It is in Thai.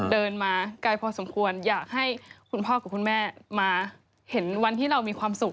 เดินมาไกลพอสมควรอยากให้คุณพ่อกับคุณแม่มาเห็นวันที่เรามีความสุข